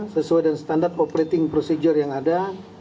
sesuai dengan standar operating procedure yang ada